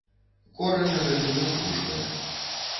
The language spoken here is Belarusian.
Кораня гэта не напружвае.